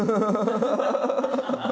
ハハハハ！